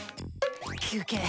休憩。